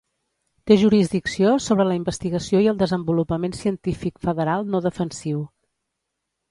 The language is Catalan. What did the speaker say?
Té jurisdicció sobre la investigació i el desenvolupament científic federal no defensiu.